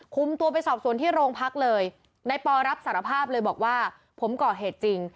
คุมตัวไปสอบสวนที่โรงพักเลยในปอรับสารภาพเลยบอกว่าผมก่อเหตุจริง